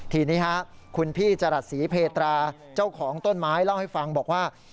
ทีนี้คุณพี่จรัสศรีเพตราเจ้าของต้นไม้เล่าให้ฟังบอกว่า